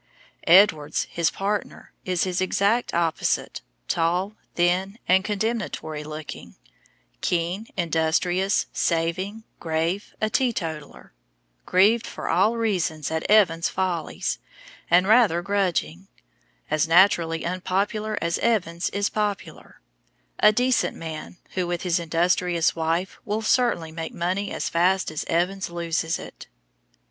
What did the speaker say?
Edwards, his partner, is his exact opposite, tall, thin, and condemnatory looking, keen, industrious, saving, grave, a teetotaler, grieved for all reasons at Evans's follies, and rather grudging; as naturally unpopular as Evans is popular; a "decent man," who, with his industrious wife, will certainly make money as fast as Evans loses it.